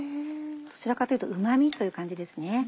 どちらかというとうま味という感じですね。